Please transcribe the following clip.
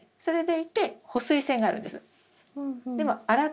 それでいて保水性があるんです。